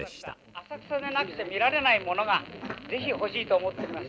浅草でなくちゃ見られないものが是非欲しいと思っております。